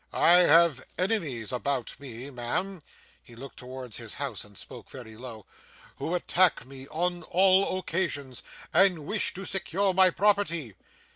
I have enemies about me, ma'am,' he looked towards his house and spoke very low, 'who attack me on all occasions, and wish to secure my property.